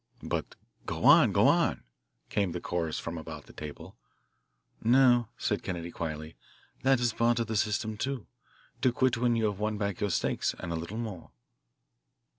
"But, go on, go on," came the chorus from about the table. "No," said Kennedy quietly, "that is part of the system, too to quit when you have won back your stakes and a little more."